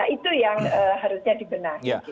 nah itu yang harusnya dibenarkan